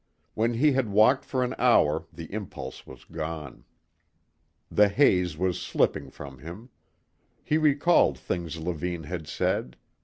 When he had walked for an hour the impulse was gone. The haze was slipping from him. He recalled things Levine had said.